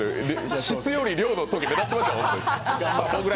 質より量のとき目立ってましたよ。